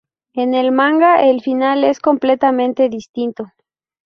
En el manga, el final es completamente distinto.